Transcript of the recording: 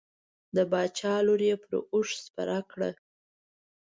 د باچا لور یې پر اوښ سپره کړه.